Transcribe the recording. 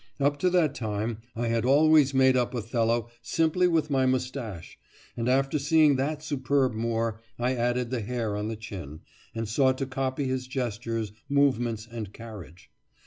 Up to that time I had always made up Othello simply with my moustache, but after seeing that superb Moor I added the hair on the chin, and sought to copy his gestures, movements, and carriage.